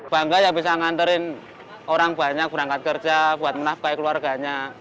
bangga ya bisa nganterin orang banyak berangkat kerja buat menafkai keluarganya